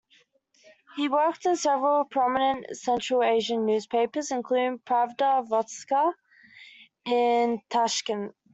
He worked in several prominent Central Asian newspapers, including "Pravda Vostoka" in Tashkent.